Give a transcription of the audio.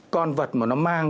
con vật mà nó mang